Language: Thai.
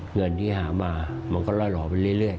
เงินที่หามามันก็รอไปเรื่อย